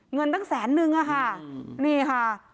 เงินตั้งแสนนึงอะค่ะนี่ค่ะ